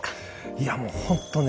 いやもうほんとね